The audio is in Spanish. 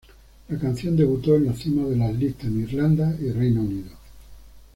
La canción debutó en la cima de las listas en Irlanda y Reino Unido.